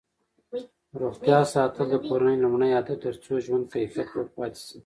روغتیا ساتل د کورنۍ لومړنی هدف دی ترڅو ژوند کیفیت لوړ پاتې شي.